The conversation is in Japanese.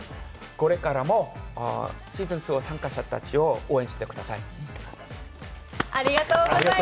これからもシーズン２参加者たちを応援してください！